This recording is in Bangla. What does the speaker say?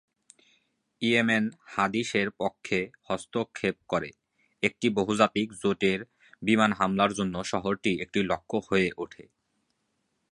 ইয়েমেন হাদীসের পক্ষে হস্তক্ষেপ করে একটি বহুজাতিক জোটের বিমান হামলার জন্য শহরটি একটি লক্ষ্য হয়ে ওঠে।